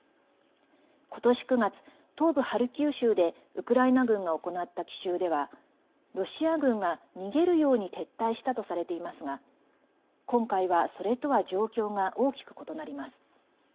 今年９月、東部ハルキウ州でウクライナ軍が行った奇襲ではロシア軍が、逃げるように撤退したとされていますが今回は、それとは状況が大きく異なります。